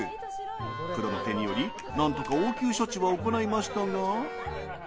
プロの手により何とか応急処置は行いましたが。